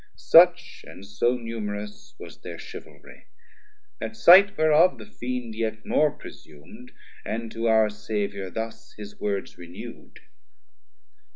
Such and so numerous was thir Chivalrie; At sight whereof the Fiend yet more presum'd, And to our Saviour thus his words renew'd.